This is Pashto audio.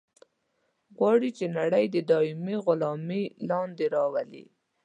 غواړي چې نړۍ د دایمي غلامي لاندې راولي.